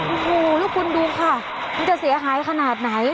โอ้โหแล้วคุณดูค่ะมันจะเสียหายขนาดไหน